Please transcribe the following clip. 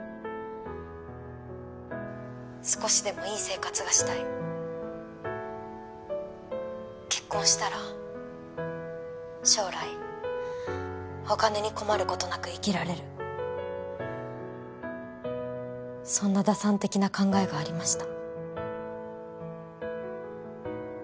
少しでもいい生活がしたい結婚したら将来お金に困ることなく生きられるそんな打算的な考えがありました